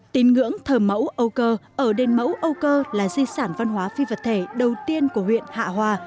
tín ngưỡng thờ mẫu âu cơ ở đền mẫu âu cơ là di sản văn hóa phi vật thể đầu tiên của huyện hạ hòa